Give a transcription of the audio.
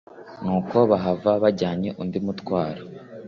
nuko bahava bajyanye undi mutwaro :